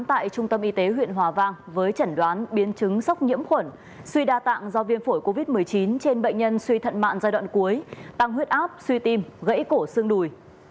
bệnh nhân tử vong y tế huyện hòa vang với chẩn đoán biến chứng sốc nhiễm khuẩn suy đa tạng do viên phổi covid một mươi chín trên bệnh nhân suy thận mạng giai đoạn cuối tăng huyết áp suy tim gãy cổ xương đùi